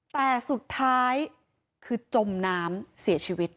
แต่สุดท้ายคือจมน้ำเสียชีวิต